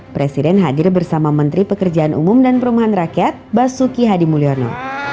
presiden hadir bersama menteri pekerjaan umum dan perumahan rakyat basuki hadi mulyono